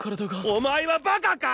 お前はバカか！